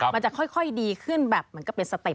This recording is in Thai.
มันจะค่อยดีขึ้นแบบเหมือนกับเป็นสติ